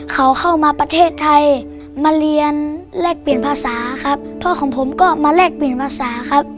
เขาเข้ามาประเทศไทยมาเรียนแลกเปลี่ยนภาษาครับพ่อของผมก็มาแลกเปลี่ยนภาษาครับ